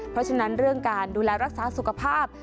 เพราะฉะนั้นเรื่องการดูแลรักษาสุขภาพ